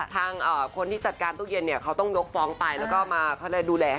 ทางคนที่จัดการตู้เย็นเนี่ยเขาต้องยกฟองไปแล้วก็มาดูแลให้น้องขวัญเอง